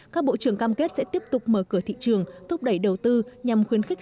các bộ trưởng cam kết sẽ tiếp tục mở cửa thị trường thúc đẩy đầu tư nhằm khuyến khích